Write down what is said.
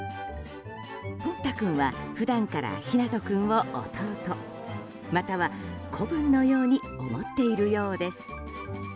ぽんた君は普段からひなと君を弟、または子分のように思っているようです。